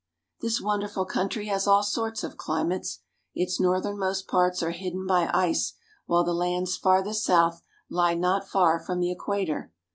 This wonderful country has all sorts of climates. Its northernmost parts are hidden by ice, while the lands farthest south lie not far from the Equator.